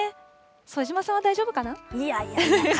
副島さんは大丈夫かな。